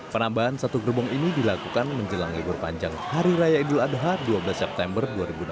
penambahan satu gerbong ini dilakukan menjelang libur panjang hari raya idul adha dua belas september dua ribu delapan belas